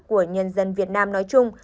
của nhân dân việt nam nói chung